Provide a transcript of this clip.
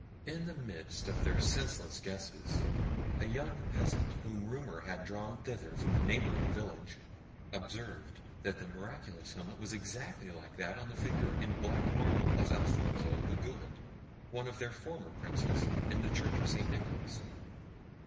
In the midst of their senseless guesses, a young peasant, whom rumour had drawn thither from a neighbouring village, observed that the miraculous helmet was exactly like that on the figure in black marble of Alfonso the Good, one of their former princes, in the church of St. Nicholas.